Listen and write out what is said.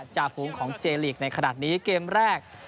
จากฮุงของเจ๊ลีกในขณะนี้เกมแรก